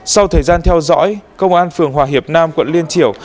sau thời gian theo dõi công an phường hòa hiệp nam quận liên triều